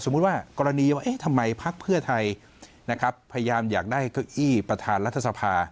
สมมุติว่ากรณีว่าทำไมภาคเพื่อไทยพยายามอยากได้เก้าอี้ประธานรัฐสภา